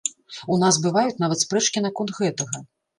У нас бываюць нават спрэчкі наконт гэтага.